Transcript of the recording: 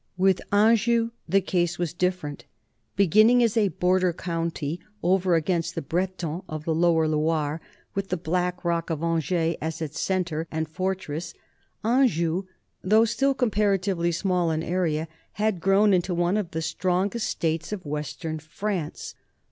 With Anjou the case was different. Beginning as a border county over against the Bretons of the lower Loire, with the black rock of Angers as its centre and fortress, Anjou, though still comparatively small in area, had grown into one of the strongest states of west ern France.